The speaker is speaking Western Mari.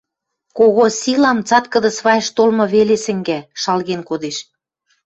Кого силам цаткыды свай штолмы веле сӹнгӓ, шалген кодеш.